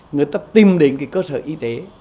người ta tìm đến cái cơ sở y tế